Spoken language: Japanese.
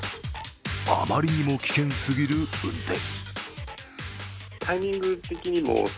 あまりにも危険すぎる運転。